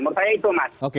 menurut saya itu mas